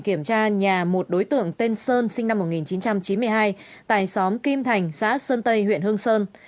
kiểm tra nhà một đối tượng tên sơn sinh năm một nghìn chín trăm chín mươi hai tại xóm kim thành xã sơn tây huyện hương sơn